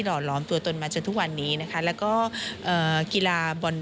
อดล้อมตัวตนมาจนทุกวันนี้นะคะแล้วก็เอ่อกีฬาบอล